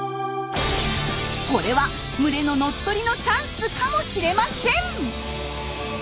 これは群れの乗っ取りのチャンスかもしれません！